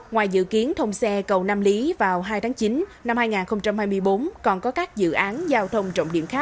ngoài dự kiến thông xe cầu nam lý vào hai tháng chín năm hai nghìn hai mươi bốn còn có các dự án giao thông trọng điểm khác